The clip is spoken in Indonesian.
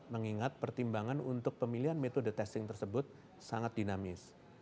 mengingat pertimbangan untuk pemilihan metode testing tersebut sangat dinamis